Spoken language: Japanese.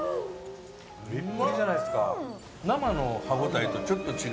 プリップリじゃないですか。